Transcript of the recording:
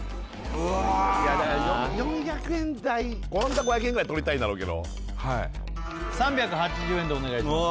うわいやだから４００円台ホントは５００円ぐらい取りたいだろうけど３８０円でお願いします